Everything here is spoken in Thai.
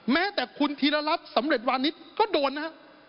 แม้แต่คุณธีรรัฐสำเร็จวานิสก็โดนนะครับ